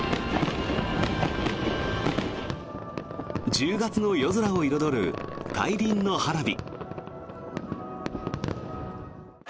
１０月の夜空を彩る大輪の花火。